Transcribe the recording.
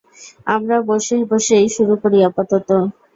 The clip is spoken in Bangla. আমরা বসে বসেই শুরু করি আপাতত?